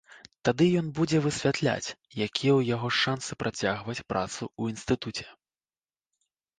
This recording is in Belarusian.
Тады ён будзе высвятляць, якія ў яго шансы працягваць працу ў інстытуце.